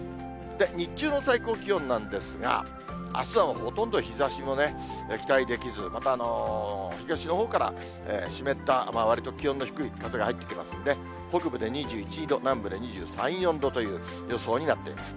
日中の最高気温なんですが、あすはほとんど日ざしのね、期待できず、また東のほうから湿った、わりと気温の低い、風が入ってきますんで、北部で２１、２度、南部で２３、４度という予想になっています。